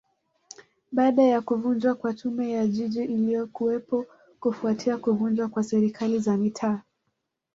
Baada ya kuvunjwa kwa Tume ya Jiji iliyokuwepo kufuatia kuvunjwa kwa Serikali za Mitaa